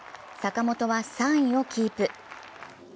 坂本は３位をキープ。